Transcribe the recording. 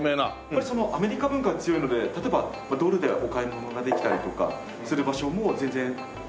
アメリカ文化が強いので例えばドルでお買い物ができたりとかする場所も全然。